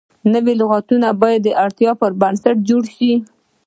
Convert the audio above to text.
نوي لغتونه باید د اړتیا پر بنسټ جوړ شي.